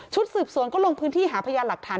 สืบสวนก็ลงพื้นที่หาพยานหลักฐาน